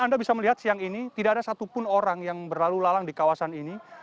anda bisa melihat siang ini tidak ada satupun orang yang berlalu lalang di kawasan ini